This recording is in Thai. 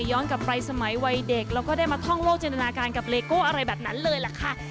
กลับไปสมัยวัยเด็กแล้วก็ได้มาท่องโลกจินตนาการกับเลโก้อะไรแบบนั้นเลยล่ะค่ะ